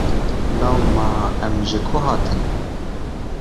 Law me em ji ku hatin?